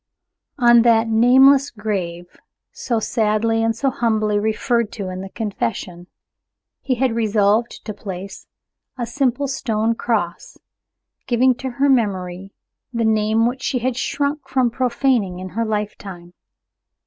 On that "nameless grave," so sadly and so humbly referred to in the confession, he had resolved to place a simple stone cross, giving to her memory the name which she had shrunk from profaning in her lifetime.